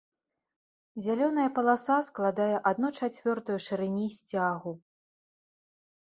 Зялёная паласа складае адну чацвёртую шырыні сцягу.